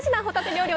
料理